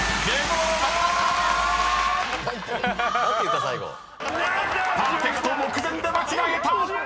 ［パーフェクト目前で間違えた！］